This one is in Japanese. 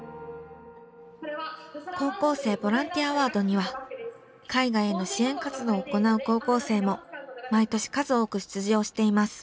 高校生ボランティアアワードには海外への支援活動を行う高校生も毎年数多く出場しています。